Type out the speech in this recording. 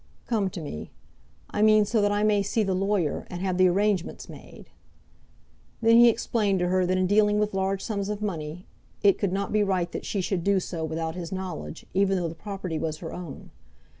"Come to me; I mean, so that I may see the lawyer, and have the arrangements made." Then he explained to her that in dealing with large sums of money, it could not be right that she should do so without his knowledge, even though the property was her own.